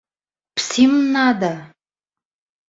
Псим нада!